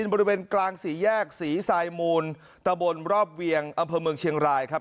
บริเวณกลางสี่แยกศรีทรายมูลตะบนรอบเวียงอำเภอเมืองเชียงรายครับ